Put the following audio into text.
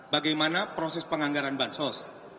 bagaimana proses penganggaran bansos